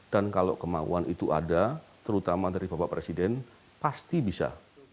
dan kalau kemauan itu ada terutama dari bapak presiden pasti bisa